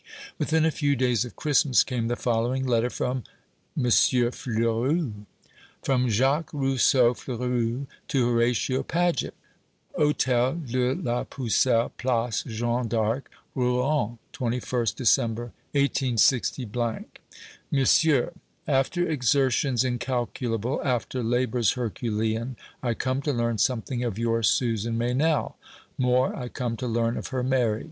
Within a few days of Christmas came the following letter from M. Fleurus: From Jacques Rousseau Fleurus to Horatio Paget. Hotel de la Pucelle, place Jeanne d'Arc, Rouen, 21st December, 186 . MONSIEUR, After exertions incalculable, after labours herculean, I come to learn something of your Susan Meynell, more, I come to learn of her marriage.